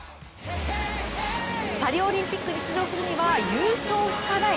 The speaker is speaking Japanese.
パリオリンピックに出場するには優勝しかない。